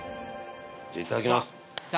⁉じゃあいただきます！